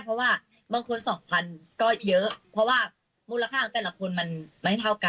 เพราะว่าบางคน๒๐๐ก็เยอะเพราะว่ามูลค่าของแต่ละคนมันไม่เท่ากัน